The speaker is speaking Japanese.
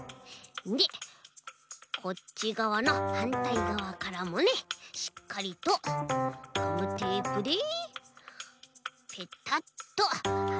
でこっちがわのはんたいがわからもねしっかりとガムテープでペタッとはればどうかな？